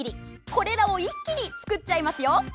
これらを一気に作っちゃいますよ。